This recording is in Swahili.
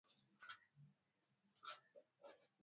Profesa Joseph Semboja alitoa mada kuu ya Uchumi wa Buluu